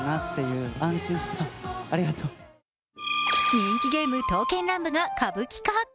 人気ゲーム「刀剣乱舞」が歌舞伎化。